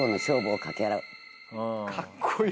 かっこいい。